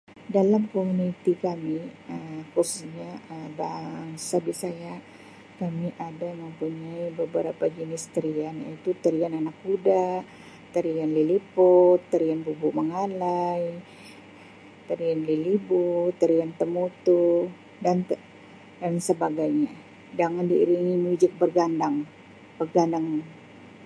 Dalam komuniti kami Um khususnya Um bangsa Bisaya kami ada mempunyai beberapa jenis tarian iaitu tarian anak kuda, tarian liliput, tarian bubu mengalai, tarian lilibu, tarian tamutu dan sebagainya dangan diiringi muzik bergandang bagandang.